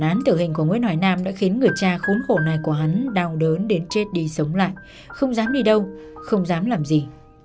án tử hình của nguyễn hoài nam đã khiến người cha khốn khổ này của hắn đau đớn đến chết đi sống lại không dám đi đâu không dám làm gì